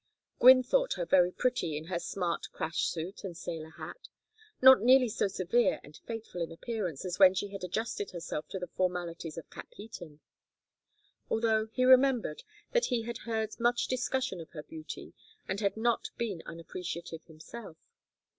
Gwynne thought her very pretty in her smart crash suit and sailor hat, not nearly so severe and fateful in appearance as when she had adjusted herself to the formalities of Capheaton; although he remembered that he had heard much discussion of her beauty and had not been unappreciative himself.